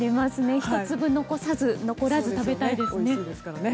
１粒残さず食べたいですね。